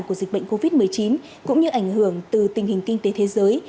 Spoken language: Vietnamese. của dịch bệnh covid một mươi chín cũng như ảnh hưởng từ tình hình kinh tế thế giới